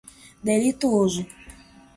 delituoso